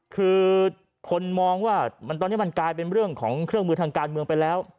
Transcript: คือคนมองว่าตอนนี้มันกลายเป็นเรื่องของเครื่องมือทางการเมืองไปแล้ว